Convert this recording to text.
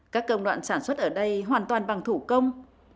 các công đoạn sản xuất ở đây hoàn toàn bằng thủ công